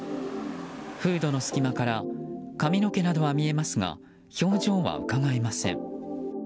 フードの隙間から髪の毛などは見えますが表情はうかがえません。